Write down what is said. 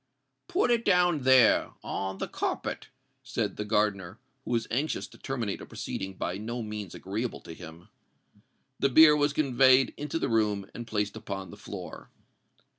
"Put it down there—on the carpet," said the gardener, who was anxious to terminate a proceeding by no means agreeable to him. The bier was conveyed into the room, and placed upon the floor.